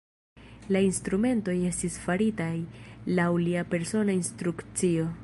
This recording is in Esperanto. La instrumentoj estis faritaj laŭ lia persona instrukcio.